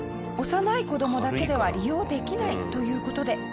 幼い子どもだけでは利用できないという事で。